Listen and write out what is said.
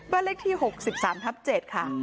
บ้านเลขที่๖๓ทับ๗ค่ะ